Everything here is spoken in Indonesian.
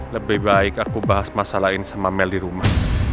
lebih baik aku bahas masalahin sama mel di rumah